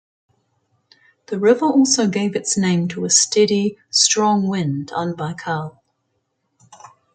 The river also gave its name to a steady, strong wind on Baikal.